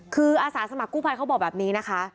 คืออาสาสมัครกู้ภัยเขาบอกแบบนี้นะคะ